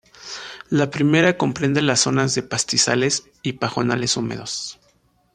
La primera comprende las zonas de pastizales y pajonales húmedos.